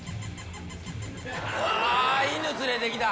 ああ犬連れてきた。